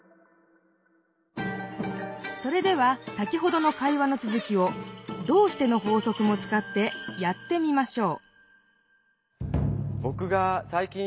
それでは先ほどの会話のつづきを「どうして？」の法則もつかってやってみましょう